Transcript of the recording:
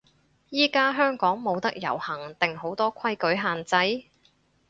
依家香港冇得遊行定好多規矩限制？